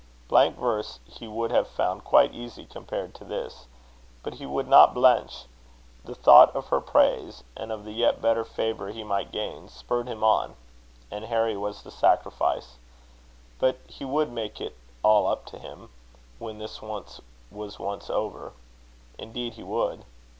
Blank verse he would have found quite easy compared to this. But he would not blench. The thought of her praise, and of the yet better favour he might gain, spurred him on; and Harry was the sacrifice. But he would make it all up to him, when this was once over. Indeed, he would.